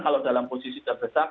kalau dalam posisi terdesak